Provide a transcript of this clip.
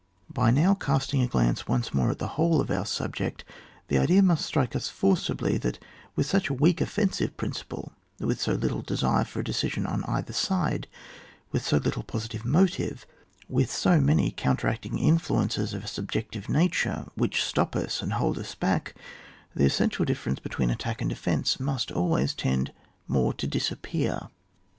By now casting a glance once more at the whole of our subject, the idea must strike us forcibly, that with such a weak ofiensive principle, with so little desire for a decision on either side, with so little positive motive, with so many counteracting influences of a subjective nature, which stop us and hold us b ck, the essential difference between attacks / and defence must always tend more to disappear.